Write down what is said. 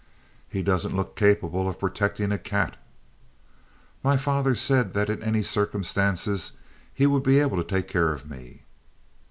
"He doesn't look capable of protecting a cat!" "My father said that in any circumstances he would be able to take care of me."